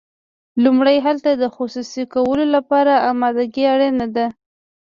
لومړی هلته د خصوصي کولو لپاره امادګي اړینه ده.